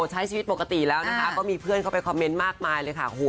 ใช้ชีวิตปกติแล้วนะค่ะ